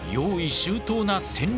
周到な戦略